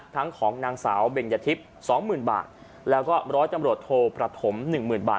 ทั้งของนางสาวเบงยธิบ๒๐๐๐๐บาทแล้วก็รถจำรวจโทรประถม๑๐๐๐๐บาท